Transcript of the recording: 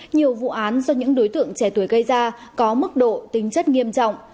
nhiều vụ án do những đối tượng trẻ tuổi gây ra có mức độ tính chất nghiêm trọng